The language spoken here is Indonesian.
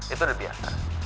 itu udah biasa